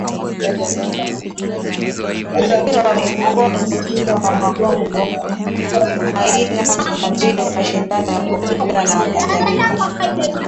mpira wa mikono mpira wa magongo aina za mbio mashindano ya kuogelea nakadhalika